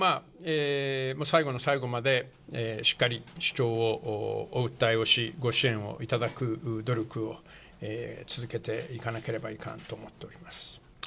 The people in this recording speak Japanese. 最後の最後までしっかり主張をお訴えをし、ご支援を頂く努力を続けていかなければいかんと思っております。